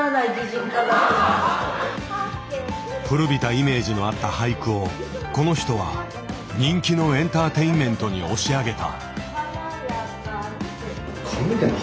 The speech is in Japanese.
古びたイメージのあった俳句をこの人は人気のエンターテインメントに押し上げた。